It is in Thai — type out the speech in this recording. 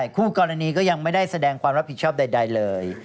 คู่กรณีก็ยังไม่ได้แสดงความรับผิดชอบใดเลย